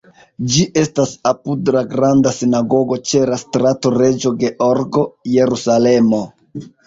Ĝi estas apud la Granda Sinagogo ĉe la Strato Reĝo Georgo, Jerusalemo.